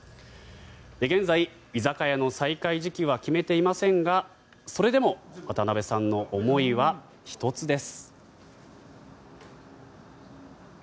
現在、居酒屋の再開時期は決めていませんがそれでも渡部さんの思いは１つです。